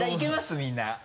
みんな。